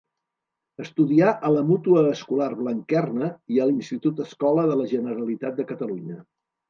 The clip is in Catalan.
Estudià a la Mútua Escolar Blanquerna i a l'Institut-Escola de la Generalitat de Catalunya.